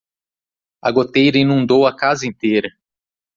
A goteira inundou a casa inteira